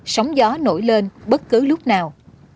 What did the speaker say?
sóng gió nổi lên bất cứ lúc nào